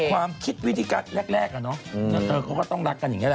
ความคิดวิธีการแรกน่าจะต้องรักกันอย่างนี้แหละ